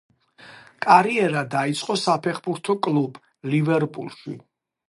კარიერა დაიწყო საფეხბურთო კლუბ „ლივერპულში“.